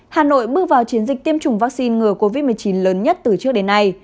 hà nội bước vào chiến dịch tiêm chủng vaccine ngừa covid một mươi chín lớn nhất từ trước đến nay